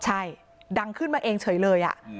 ใช่ดังขึ้นมาเองเฉยเลย